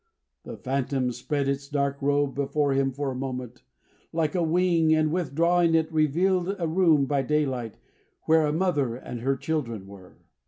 The phantom spread its dark robe before him for a moment, like a wing; and withdrawing it, revealed a room by daylight, where a mother and her children were.